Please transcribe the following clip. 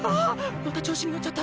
また調子にのっちゃった。